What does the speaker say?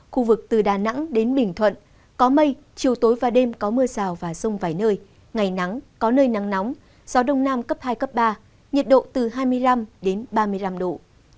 khu vực từ đà nẵng đến bình thuận có mây chiều tối và đêm có mưa rào và rông vài nơi ngày nắng có nơi nắng nóng gió đông nam cấp hai cấp ba nhiệt độ từ hai mươi năm đến ba mươi năm độ